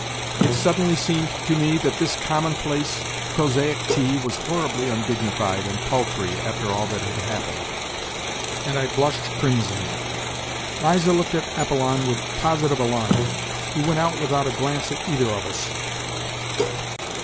It suddenly seemed to me that this commonplace, prosaic tea was horribly undignified and paltry after all that had happened, and I blushed crimson. Liza looked at Apollon with positive alarm. He went out without a glance at either of us.